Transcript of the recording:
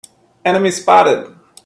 Enemy spotted!